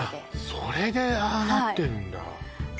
それでああなってるんだ